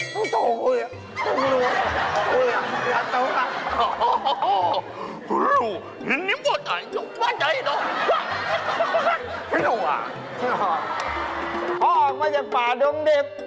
พ่อออกมาจากป่าดงดิบ